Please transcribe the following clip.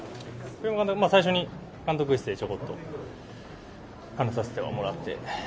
最初に監督室でちょこっと話させてはもらって。